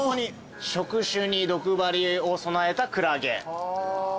触手に毒針を備えたクラゲ。